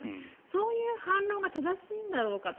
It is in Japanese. そういう反論が正しいんだろうかと。